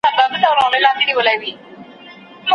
هره ورځ چي دي د ورور ویني توییږي